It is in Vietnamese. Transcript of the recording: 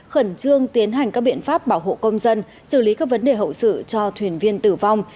khẩn trương tiến hành các biện pháp bảo hộ công dân xử lý các vấn đề hậu sự cho thuyền viên tử vong